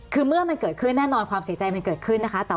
คือเมื่อมันเกิดขึ้นแน่นอนความเสียใจมันเกิดขึ้นนะคะ